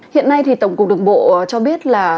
hiện nay thì tổng cục đường bộ cho biết là